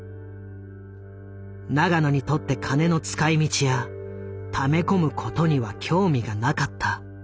永野にとって金の使いみちやため込むことには興味がなかった。